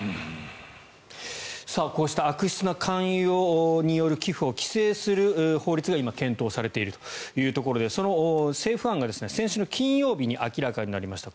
こうした悪質な勧誘による寄付を規制する法律が今、検討されているというところでその政府案が先週金曜日に明らかになりました。